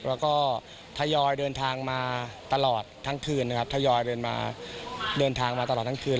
แล้วก็ทยอยเดินทางมาตลอดทั้งคืนนะครับทยอยเดินมาเดินทางมาตลอดทั้งคืน